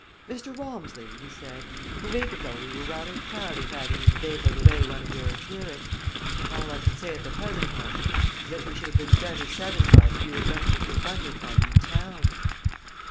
"Mr. Walmsley," he said, "a week ago we were rather proud of having inveigled away one of your adherents. All I can say at the present moment is that we should have been better satisfied if you had left Mr. Bundercombe in town."